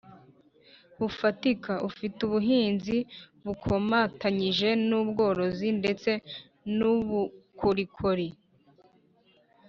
bufatika. Afite ubuhinzi bukomatanyije n’ubworozi ndetse n’ubukorikori